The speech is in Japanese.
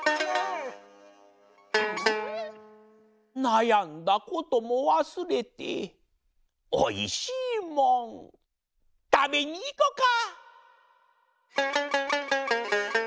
「なやんだこともわすれておいしいもんたべにいこか！」